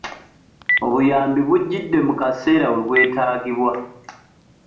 Obuyambi bujjidde mu kaseera we bwetagibwa.